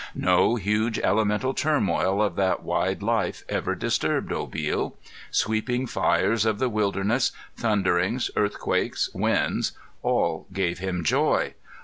No huge elemental turmoil of that wide life ever disturbed Obil. Sweeping fires of the wilderness, thunderings, earthquakes, winds, all gave him joy.